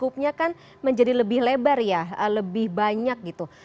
juga sekarang skupnya kan menjadi lebih lebar ya lebih banyak gitu